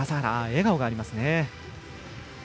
笑顔がありますね。